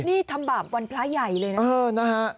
นี่ทำบาปวันพระใหญ่เลยนะเออนะฮะ